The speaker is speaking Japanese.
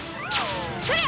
それ！